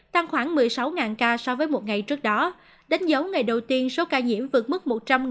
tăng khoảng một mươi sáu ca so với một ngày trước đó đánh dấu ngày đầu tiên số ca nhiễm vượt mức một trăm linh